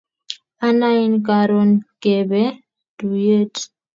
Anain karon kebe tuyiet